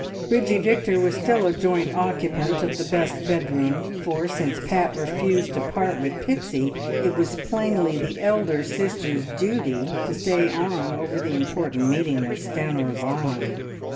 Bridgie Victor was still a joint occupant of the "best" bedroom, for since Pat refused to part with Pixie it was plainly the elder sister's duty to stay on over the important meeting with Stanor Vaughan.